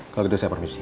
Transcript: kalau gitu saya permisi